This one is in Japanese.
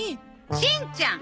しんちゃん！